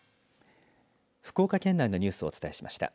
福岡県内のニュースをお伝えしました。